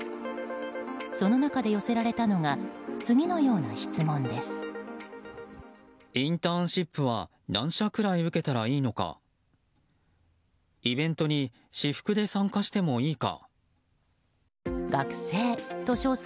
その中で寄せられたのが次のような質問です。